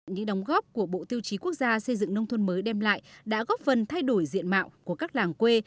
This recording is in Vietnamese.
những đóng góp của bộ tiêu chí quốc gia xây dựng nông thôn mới đem lại đã góp phần thay đổi diện mạo của các làng quê